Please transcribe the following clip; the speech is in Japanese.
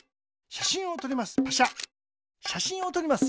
しゃしんをとります。